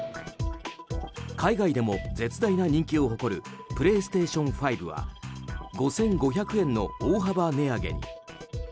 海外でも絶大な人気を誇るプレイステーション５は５５００円の大幅値上げに。